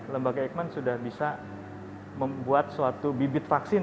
lembaga eijkman sudah bisa memulai proses penelitian vaksin